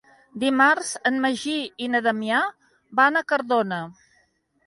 Dimarts en Magí i na Damià van a Cardona.